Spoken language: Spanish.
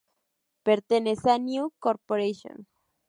Pertenece a News Corporation.